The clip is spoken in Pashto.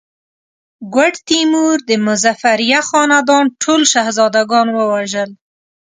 ګوډ تیمور د مظفریه خاندان ټول شهزاده ګان ووژل.